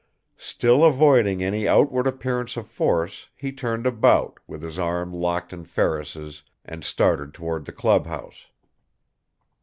Still avoiding any outward appearance of force, he turned about, with his arm locked in Ferris's and started toward the clubhouse.